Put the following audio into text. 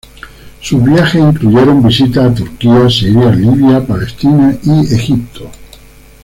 Sus viajes incluyeron visitas a Turquía, Siria, Libia, Palestina y Egipto.